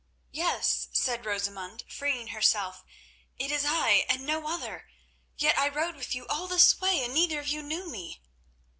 "Yes," said Rosamund, freeing herself, "it is I and no other, yet I rode with you all this way and neither of you knew me."